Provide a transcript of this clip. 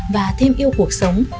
và thêm yêu cuộc sống